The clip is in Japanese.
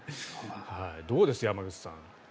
どうです、山口さん。